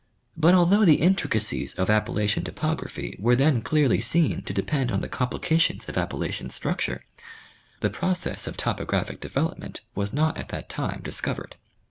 But although the intricacies of Appalachian topography were then clearly seen to depend on the complications of Appalachian structure, the process of topo graphic development was not at that time discovered.